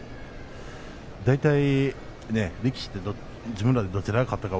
大体、力士は自分たちでどちらが勝ったか